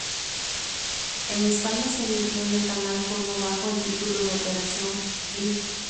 En España se emitió en el Canal Cosmo bajo el título de "Operación G".